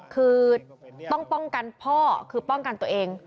คือต้องป้องกันพ่อคือป้องกันตัวเอง